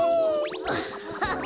アッハハ！